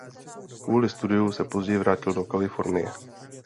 Kvůli studiu se později vrátil do Kalifornie.